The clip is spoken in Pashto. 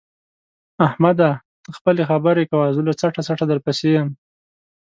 احمده! ته خپلې خبرې کوه زه له څټه څټه درپسې یم.